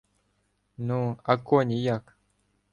— Ну, а коні як?